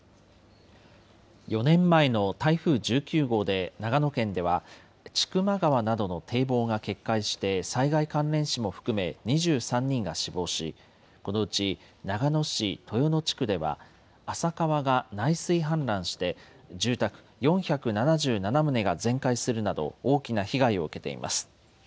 ４年前の台風１９号で長野県では、千曲川などの堤防が決壊して、災害関連死も含め２３人が死亡し、このうち長野市豊野地区では、浅川が内水氾濫して、住宅４７７棟が全壊するなど、大きな被害を受けています。